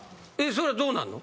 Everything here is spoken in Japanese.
それどうなんの？